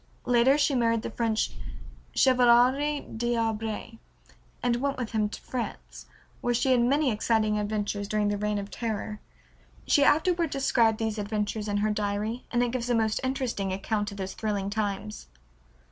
Later she married the French Chevalier D'Arblay, and went with him to France, where she had many exciting adventures during the Reign of Terror. She afterward described these adventures in her diary and it gives a most interesting account of those thrilling times.